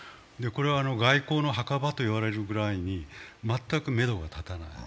外交の墓場と言われるぐらいに、全くめどが立たない。